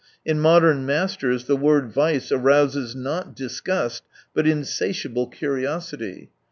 In modern masters the word vice arouses not disgust, but insatiable curiosity.